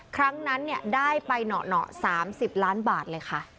ครั้งนั้นได้ไปเหนาะ๓๐ล้านบาทเลยค่ะ